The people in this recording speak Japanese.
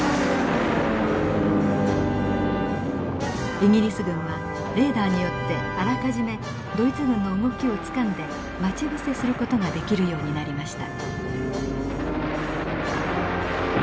イギリス軍はレーダーによってあらかじめドイツ軍の動きをつかんで待ち伏せする事ができるようになりました。